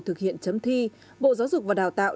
thực hiện chấm thi bộ giáo dục và đào tạo